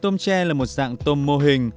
tôm tre là một dạng tôm mô hình